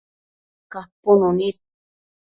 capunu nid